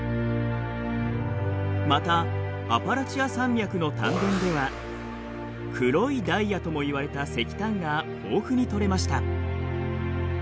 またアパラチア山脈の炭田では黒いダイヤともいわれた石炭が豊富に取れました。